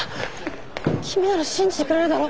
きみなら信じてくれるだろ。